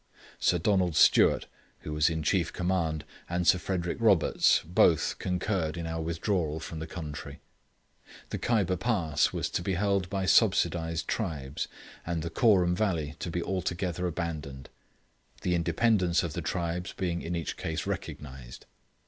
Sir Donald Stewart, who was in chief command, and Sir Frederick Roberts, both, concurred in our withdrawal from the country; the Kyber Pass was to be held by subsidised tribes, and the Koorum Valley to be altogether abandoned; the independence of the tribes being in each case recognised.